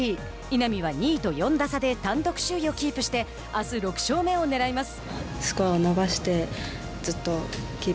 稲見は２位と４打差で単独首位をキープしてあす６勝目を狙います。